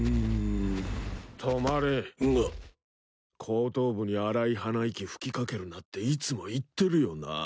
後頭部に荒い鼻息吹き掛けるなっていつも言ってるよな？